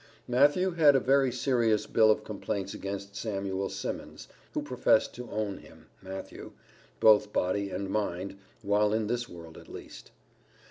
Matthew had a very serious bill of complaints against Samuel Simmons, who professed to own him (Matthew), both body and mind, while in this world at least.